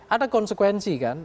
ada konsekuensi kan